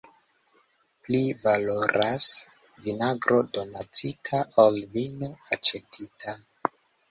Pli valoras vinagro donacita, ol vino aĉetita.